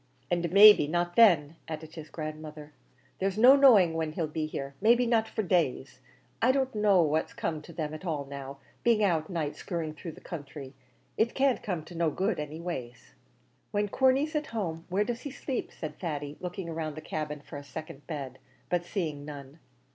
"And, maybe, not then," added his grandmother. "There's no knowing when he 'll be here; maybe not for days. I don't know what's come to them at all now being out night skirring through the counthry; it can't come to no good, any ways." "When Corney's at home, where does he sleep?" said Thady, looking round the cabin for a second bed, but seeing none.